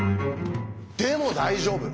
でも大丈夫！